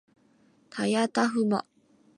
たやたふま